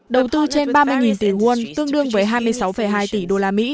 đầu tư trên ba mươi tỷ won tương đương với hai mươi sáu hai tỷ usd